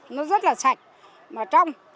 nó rất là sạch và trong